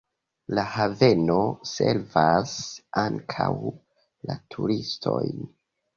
La haveno servas ankaŭ la turistojn.